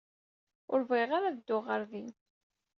Ur bɣiɣ ara ad dduɣ ɣer din.